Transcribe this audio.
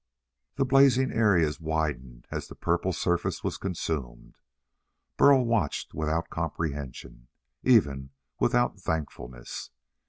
The blazing areas widened as the purple surface was consumed. Burl watched without comprehension even without thankfulness.